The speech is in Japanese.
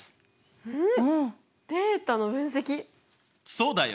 そうだよ！